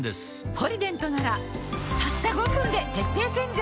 「ポリデント」ならたった５分で徹底洗浄